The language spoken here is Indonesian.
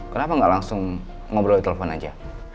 kenapa gak langsung ngobrol di telepon aja